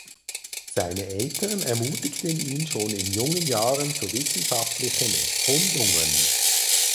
Seine Eltern ermutigten ihn schon in jungen Jahren zu wissenschaftlichen Erkundungen.